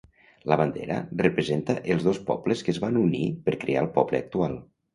La bandera representa els dos pobles que es van unir per crear el poble actual.